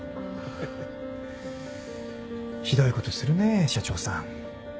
ひどいことするねぇ社長さん。